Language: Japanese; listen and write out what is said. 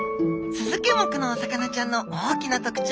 スズキ目のお魚ちゃんの大きな特徴